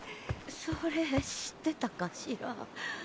それ知ってたかしら？